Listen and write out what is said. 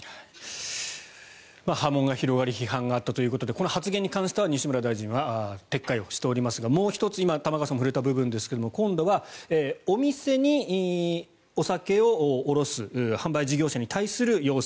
波紋が広がり批判があったということでこの発言に関しては西村大臣は撤回をしておりますがもう１つ玉川さんも今触れた部分ですが今度はお店にお酒を卸す販売事業者に対する要請